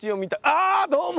あどうも！